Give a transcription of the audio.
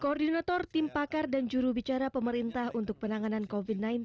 koordinator tim pakar dan jurubicara pemerintah untuk penanganan covid sembilan belas